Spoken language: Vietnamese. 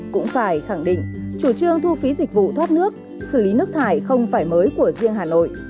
cũng phải khẳng định chủ trương thu phí dịch vụ thoát nước xử lý nước thải không phải mới của riêng hà nội